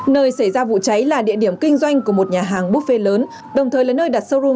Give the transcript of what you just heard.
nơi xảy ra vụ cháy là địa điểm kinh doanh của một nhà hàng buffe lớn đồng thời là nơi đặt showroo